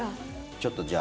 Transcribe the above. ちょっとじゃあ。